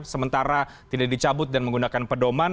sementara tidak dicabut dan menggunakan pedoman